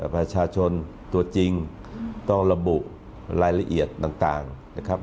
ประชาชนตัวจริงต้องระบุรายละเอียดต่างนะครับ